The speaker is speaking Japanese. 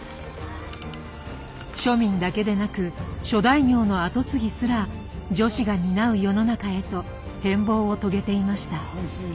庶民だけでなく諸大名の跡継ぎすら女子が担う世の中へと変貌を遂げていました。